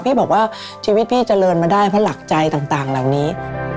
พี่บอกว่าชีวิตพี่เจริญมาได้เพราะหลักใจต่างเหล่านี้